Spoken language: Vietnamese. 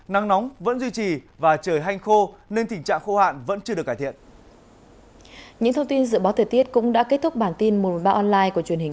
nắng nóng vẫn duy trì và trời hanh khô nên tình trạng khô hạn vẫn chưa được cải thiện